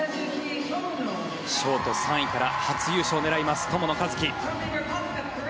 ショート３位から初優勝を狙います、友野一希。